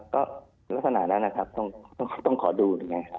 ก็ลักษณะนั้นนะครับต้องขอดูอย่างนี้ครับ